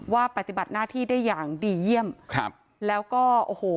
ปฏิบัติหน้าที่ได้อย่างดีเยี่ยมครับแล้วก็โอ้โห